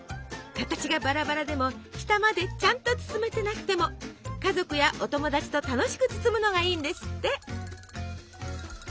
形がバラバラでも下までちゃんと包めてなくても家族やお友達と楽しく包むのがいいんですって。